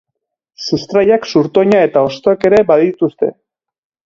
Sustraiak, zurtoina eta hostoak ere badituzte.